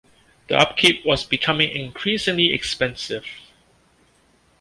The upkeep was becoming increasingly expensive.